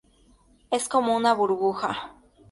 Es como una burbuja.